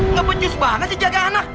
nggak pecus banget sih jaga anak